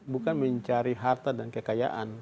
bukan mencari harta dan kekayaan